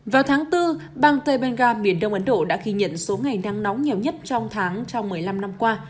vào tháng bốn bang tây banra miền đông ấn độ đã ghi nhận số ngày nắng nóng nhiều nhất trong tháng trong một mươi năm năm qua